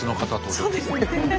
そうですね。